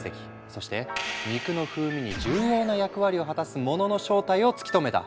そして肉の風味に重要な役割を果たすものの正体を突き止めた。